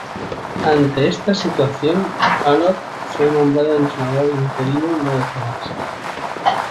Ante esta situación, Collot fue nombrado entrenador interino una vez más.